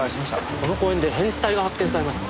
この公園で変死体が発見されまして。